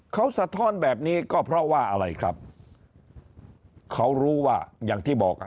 เขาสะท้อนแบบนี้ก็เพราะว่าอะไรครับเขารู้ว่าอย่างที่บอกอ่ะ